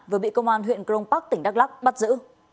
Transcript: vừa bị công an huyện crong park tỉnh đắk lắc bắt giữ